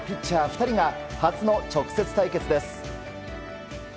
２人が初の直接対決です。